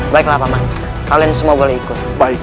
baiklah paman kalian semua boleh ikut